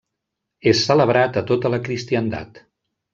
És celebrat a tota la cristiandat.